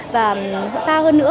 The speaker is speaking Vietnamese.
và xa hơn nữa